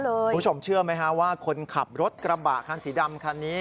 คุณผู้ชมเชื่อไหมฮะว่าคนขับรถกระบะคันสีดำคันนี้